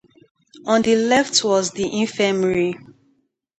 On the left was the infirmary.